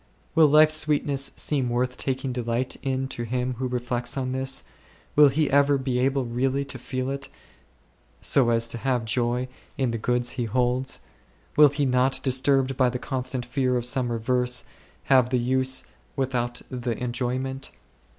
Will life's sweetness seem worth taking delight in to him who reflects on this ? Will he ever be able really to feel it, so as to have joy in the goods he holds ? Will he not, disturbed by the constant fear of some reverse, have the use without the enjoyment